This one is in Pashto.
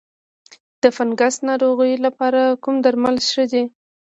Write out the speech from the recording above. د فنګسي ناروغیو لپاره کوم درمل ښه دي؟